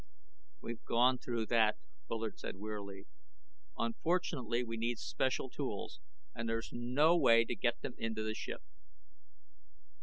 "We've gone through that," Bullard said wearily. "Unfortunately we need special tools. And there's no way to get them into the ship."